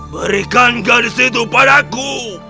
berikan garis itu padaku